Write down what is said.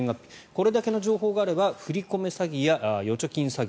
これだけの情報があれば振り込め詐欺や預貯金詐欺